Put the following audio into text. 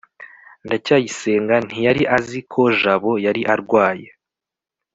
ndacyayisenga ntiyari azi ko jabo yari arwaye